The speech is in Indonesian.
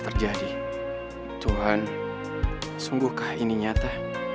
terjadi tuhan sungguhkah ini nyata